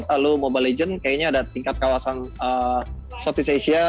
lalu mobile legends kayaknya ada tingkat kawasan southeast asia